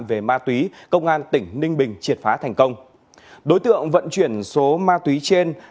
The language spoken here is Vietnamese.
về ma túy công an tỉnh ninh bình triệt phá thành công đối tượng vận chuyển số ma túy trên